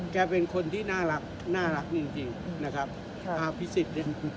แกเป็นคนที่น่ารักน่ารักจริงนะครับภาพพิสิทธิ์